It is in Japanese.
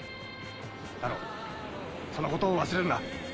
タロウそのことを忘れるな。